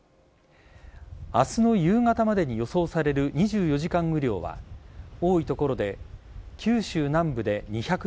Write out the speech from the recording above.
明日の夕方までに予想される２４時間雨量は多い所で九州南部で２００ｍｍ